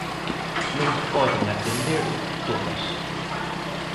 Non poden atender todas.